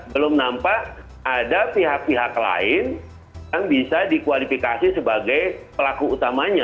belum nampak ada pihak pihak lain yang bisa dikualifikasi sebagai pelaku utamanya